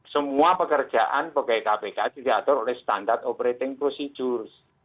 semua pekerjaan pegawai kpk diatur oleh standard operating procedures